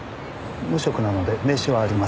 無職なので名刺はありません。